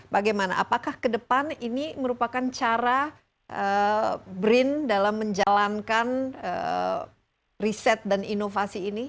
bagaimana apakah ke depan ini merupakan cara brin dalam menjalankan riset dan inovasi ini